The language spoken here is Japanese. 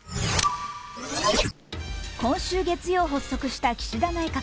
今週月曜発足した岸田内閣。